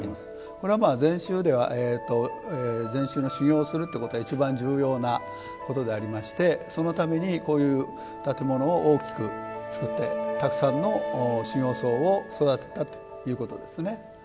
これは禅宗では禅宗の修行するということはいちばん重要なことでありましてそのためにこういう建物を大きく造ってたくさんの修行僧を育てたということですね。